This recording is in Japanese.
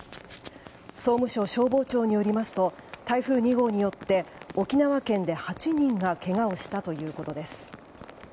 総務省消防庁によりますと台風２号によって沖縄県で８人がけがをしたということです。